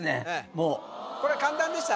もうこれ簡単でした？